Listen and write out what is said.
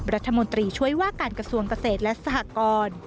รัฐมนตรีช่วยว่าการกระทรวงเกษตรและสหกร